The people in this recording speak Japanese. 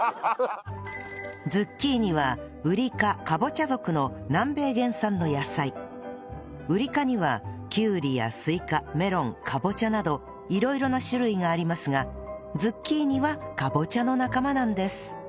ズッキーニはウリ科カボチャ属の南米原産の野菜ウリ科にはキュウリやスイカメロンカボチャなど色々な種類がありますがズッキーニはカボチャの仲間なんです